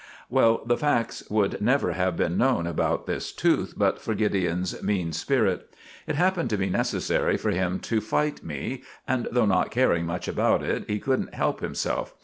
Well, the facts would never have been known about this tooth but for Gideon's mean spirit. It happened to be necessary for him to fight me, and though not caring much about it, he couldn't help himself.